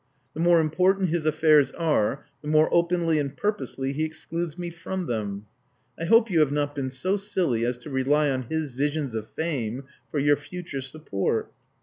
The more important his affairs are, the more openly and purposely he excludes me from them. I hope you have not been so silly as to rely on his visions of fame for your future support."